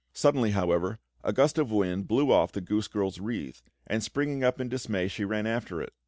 Suddenly, however, a gust of wind blew off the goose girl's wreath; and springing up in dismay, she ran after it.